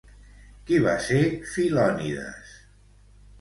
Qui va ser Filonides?